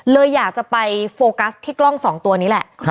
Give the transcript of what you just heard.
เลยอยากจะไปโฟกัสที่กล้อง๒ตัวนี้แหละ